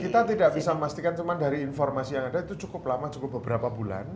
kita tidak bisa memastikan cuma dari informasi yang ada itu cukup lama cukup beberapa bulan